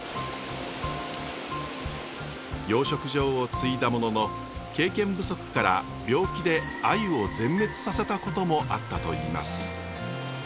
養殖場を継いだものの経験不足から病気であゆを全滅させたこともあったといいます。